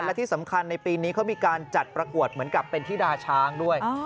และที่สำคัญในปีนี้เขามีการจัดประกวดเหมือนกับเป็นธิดาช้างด้วย